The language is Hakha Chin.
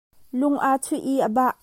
Lung aa chuih i a bah.